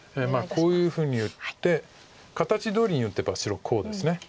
こういうふうに打って形どおりに打てば白こうです。